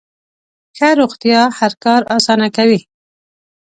ښه روغتیا هر کار اسانه کوي.